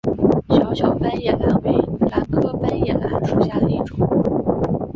小小斑叶兰为兰科斑叶兰属下的一个种。